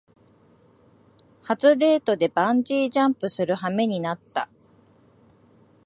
初デートでバンジージャンプするはめになった